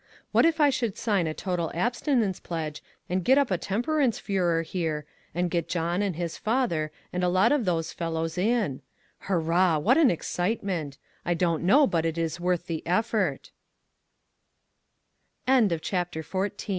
What if I should sign a total abstinence pledge, and get up a temperance furor here, and get John, and his father, and a lot of those fellows, in? Hurrah! What an excitement ! I don't know but it is worth the effort." CHAPTER XV. ENGAGEMENTS.